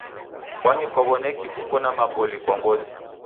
Kwani kwawo'neki kuko na maboli kwa ngozi